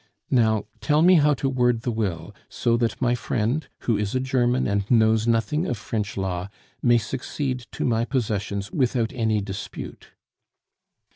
Now, tell me how to word the will, so that my friend, who is a German and knows nothing of French law, may succeed to my possessions without any dispute."